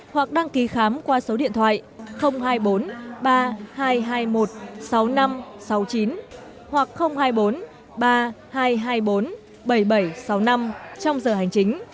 hoặc đăng ký khám qua số điện thoại hai mươi bốn ba nghìn hai trăm hai mươi một sáu mươi năm sáu mươi chín hoặc hai mươi bốn ba nghìn hai trăm hai mươi bốn bảy nghìn bảy trăm sáu mươi năm trong giờ hành chính